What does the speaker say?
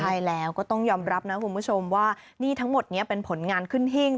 ใช่แล้วก็ต้องยอมรับนะคุณผู้ชมว่านี่ทั้งหมดนี้เป็นผลงานขึ้นหิ้ง